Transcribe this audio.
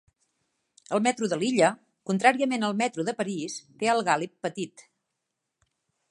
El metro de Lilla, contràriament al Metro de París, té el gàlib petit.